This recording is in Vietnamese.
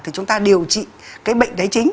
thì chúng ta điều trị cái bệnh đấy chính